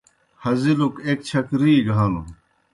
ہزِیلُک ایْک چھک رِی گہ ہنوْ۔